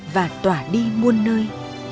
và tỏa đi muôn nơi